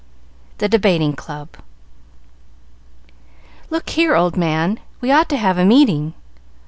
The Debating Club "Look here, old man, we ought to have a meeting.